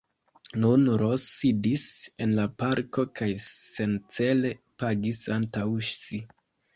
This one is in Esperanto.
Nun Ros sidis en la parko kaj sencele gapis antaŭ si.